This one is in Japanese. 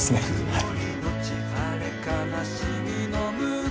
はい。